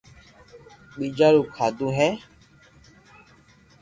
ٻيجا رو ڪانو ھي